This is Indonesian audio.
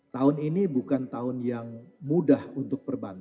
tahun ini bukan tahun yang mudah untuk perbankan